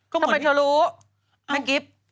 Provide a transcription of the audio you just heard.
ทำไมเธอรู้แม่กิฟต์